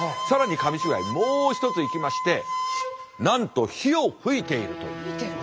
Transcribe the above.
更に紙芝居もう一ついきましてなんと火を噴いているという。